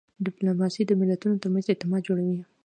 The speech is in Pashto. ډیپلوماسي د ملتونو ترمنځ اعتماد جوړوي.